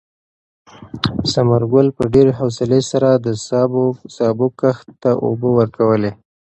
ثمر ګل په ډېرې حوصلې سره د سابو کښت ته اوبه ورکولې.